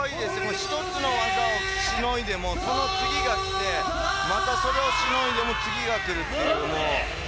１つの技をしのいでもその次が来てまたそれをしのいでも次が来るという。